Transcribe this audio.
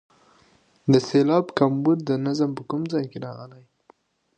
د سېلاب کمبود د نظم په کوم ځای کې راغلی.